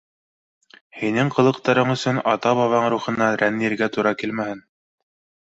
Һинең ҡылыҡтарың өсөн ата-бабаң рухына рәнйергә тура килмәһен.